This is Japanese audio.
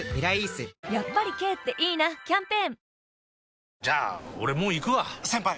やっぱり軽っていいなキャンペーン